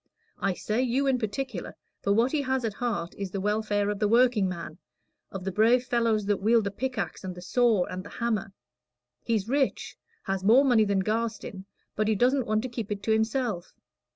I say you in particular, for what he has at heart is the welfare of the workingman of the brave fellows that wield the pickaxe, and the saw, and the hammer. He's rich has more money than Garstin but he doesn't want to keep it to himself.